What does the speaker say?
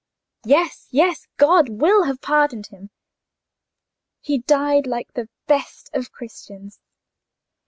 "Yes, yes—God will have pardoned him." "He died like the best of Christians."